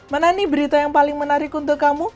mana nih berita yang paling menarik untuk kamu